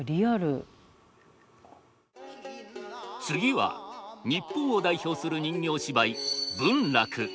次は日本を代表する人形芝居文楽。